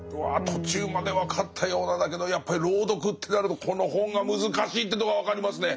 途中まで分かったようなだけどやっぱり朗読ってなるとこの本が難しいってとこが分かりますね。